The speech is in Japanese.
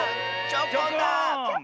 チョコン！